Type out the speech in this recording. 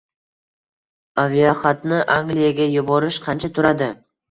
Aviaxatni Angliyaga yuborish qancha turadi?